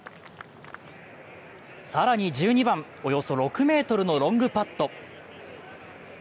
更に１２番およそ６ｍのロングパット。